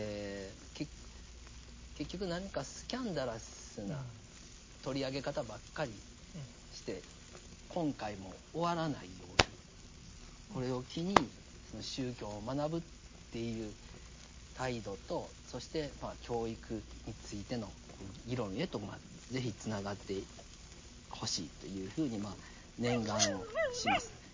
結局何かスキャンダラスな取り上げ方ばっかりして今回も終わらないようにこれを機に宗教を学ぶっていう態度とそして教育についての議論へと是非つながってほしいというふうにまあ念願をします。